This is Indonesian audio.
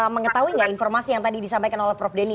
mengetahui nggak informasi yang tadi disampaikan oleh prof denny